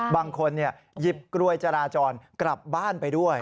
บางคนหยิบกลวยจราจรกลับบ้านไปด้วย